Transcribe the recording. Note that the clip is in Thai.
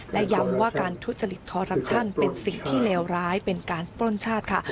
และย้ำว่าการทุจริตคอรัปชั่นเป็นสิ่งที่เลวร้ายเป็นการปล้นชาติค่ะ